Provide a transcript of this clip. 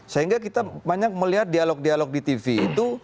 sehingga kita banyak melihat dialog dialog di tv itu